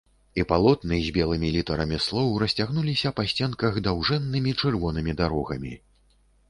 І палотны з белымі літарамі слоў расцягнуліся па сценках даўжэннымі чырвонымі дарогамі.